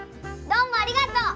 どうもありがとう！